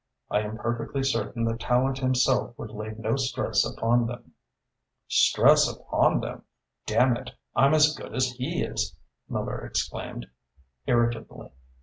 I am perfectly certain that Tallente himself would lay no stress upon them." "Stress upon them? Damn it, I'm as good as he is!" Miller exclaimed irritably.